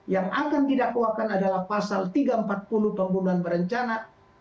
yang akan didakwakan adalah pasal tiga ratus empat puluh pembunuhan berencana